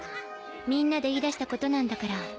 みんなで言い出したことなんだから。